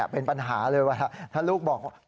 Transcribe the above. เป็นปัญหาเลยว่าถ้าลูกบอกว่า